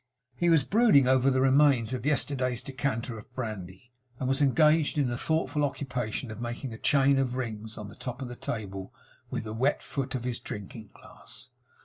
He was brooding over the remains of yesterday's decanter of brandy, and was engaged in the thoughtful occupation of making a chain of rings on the top of the table with the wet foot of his drinking glass.